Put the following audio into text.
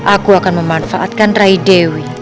aku akan memanfaatkan rai dewi